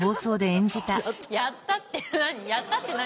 やったって何？